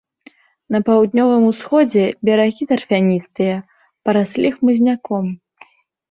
На паўднёвым усходзе берагі тарфяністыя, параслі хмызняком.